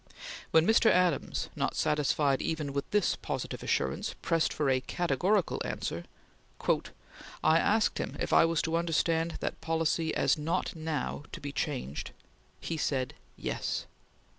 When Mr. Adams, not satisfied even with this positive assurance, pressed for a categorical answer: "I asked him if I was to understand that policy as not now to be changed; he said: Yes!"